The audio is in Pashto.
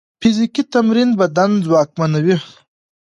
فزیکي تمرین بدن ځواکمنوي.